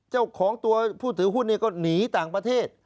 เจ้าของตัวผู้ถือหุ้นก็หนีต่างประเทศ